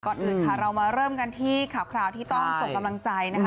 ก่อนอื่นค่ะเรามาเริ่มกันที่ข่าวที่ต้องส่งกำลังใจนะคะ